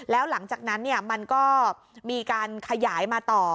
แล้วหลังจากนั้นมันก็มีการขยายมาต่อ